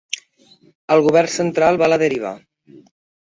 El govern central va a la deriva.